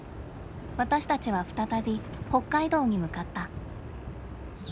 私たちは再び北海道に向かった。